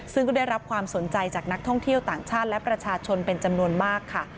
ซึ่งก็ได้รับความสนใจจากนักท่องเที่ยวต่างชาติและประชาชนเป็นจำนวนมากค่ะ